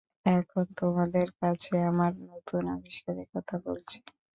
এখন তোমাদের কাছে আমার নূতন আবিষ্কারের কথা বলছি।